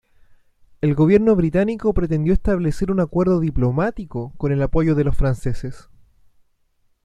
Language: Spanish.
El gobierno británico pretendió establecer un acuerdo diplomático con el apoyo de los franceses.